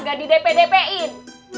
gak di dp dp in